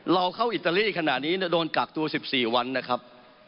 เราเข้าอิตาลีขณะนี้โดนกักตัว๑๔วันนะครับ